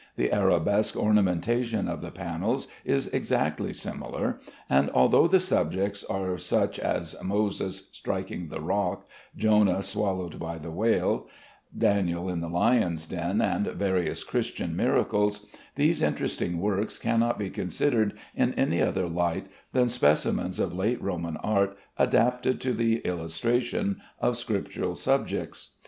The arabesque ornamentation of the panels is exactly similar, and although the subjects are such as Moses striking the rock, Jonah swallowed by the whale, Daniel in the lions' den, and various Christian miracles, these interesting works cannot be considered in any other light than specimens of late Roman art adapted to the illustration of Scriptural subjects.